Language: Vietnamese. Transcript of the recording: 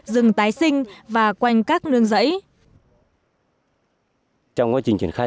rừng tái sinh và quanh các nương giấy